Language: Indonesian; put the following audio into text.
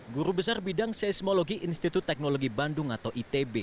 guru besar bidang seismologi institut teknologi bandung atau itb